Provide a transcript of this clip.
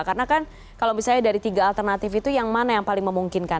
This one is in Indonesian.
karena kan kalau misalnya dari tiga alternatif itu yang mana yang paling memungkinkan